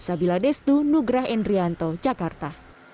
sabiladestu nugra endrianto jakarta